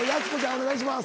お願いします。